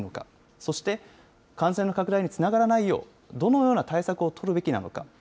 そして、感染の拡大につながらないよう、どのような対策を取るべきなのか。